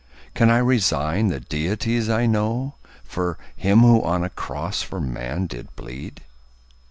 Can I resign the deities I know For him who on a cross for man did bleed?